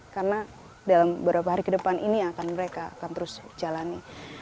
karena dalam beberapa hari ke depan ini mereka akan terus jalani